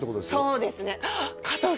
そうですねあっ